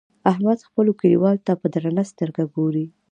احمد خپلو کليوالو ته په درنه سترګه ګوري.